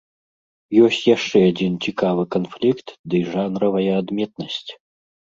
Ёсць яшчэ адзін цікавы канфлікт дый жанравая адметнасць.